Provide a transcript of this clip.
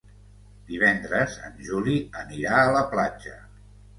Divendres en Juli anirà a la platja.